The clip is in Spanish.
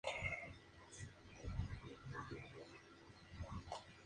Fue uno de los primeros colonizadores del norte de la provincia de Buenos Aires.